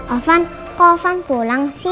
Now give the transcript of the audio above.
ovan kau ovan pulang si